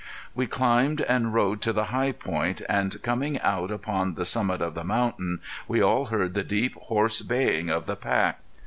We climbed and rode to the high point, and coming out upon the summit of the mountain we all heard the deep, hoarse baying of the pack.